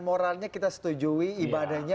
moralnya kita setujui ibadahnya